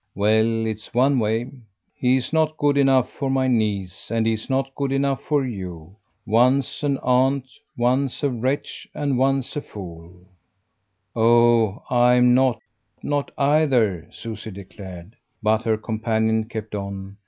"Well, it's one way. He's not good enough for my niece, and he's not good enough for you. One's an aunt, one's a wretch and one's a fool." "Oh I'M not not either," Susie declared. But her companion kept on.